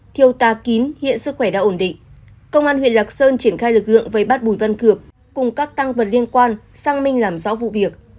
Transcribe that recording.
thiêu tá kín hiện sức khỏe đã ổn định công an huyện lạc sơn triển khai lực lượng vây bắt bùi văn cược cùng các tăng vật liên quan sang minh làm rõ vụ việc